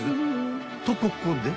［とここで］